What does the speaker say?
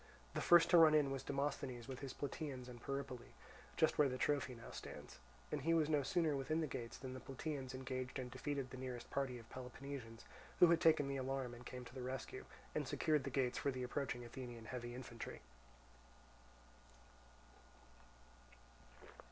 The first to run in was Demosthenes with his Plataeans and Peripoli, just where the trophy now stands; and he was no sooner within the gates than the Plataeans engaged and defeated the nearest party of Peloponnesians who had taken the alarm and come to the rescue, and secured the gates for the approaching Athenian heavy infantry.